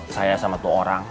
saya sama tu orang